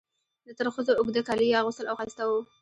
د ترخزو اوږده کالي یې اغوستل او ښایسته وو.